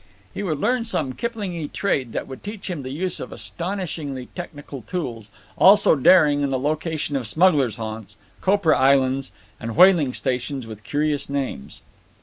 He would learn some Kiplingy trade that would teach him the use of astonishingly technical tools, also daring and the location of smugglers' haunts, copra islands, and whaling stations with curious names.